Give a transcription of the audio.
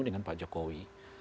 dengan pak jokowi